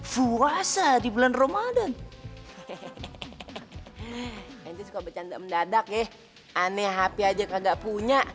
buat budak ya aneh hp aja gak punya